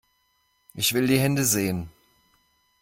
Ich will die Hände sehen!